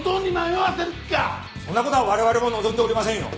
そんな事は我々も望んでおりませんよ。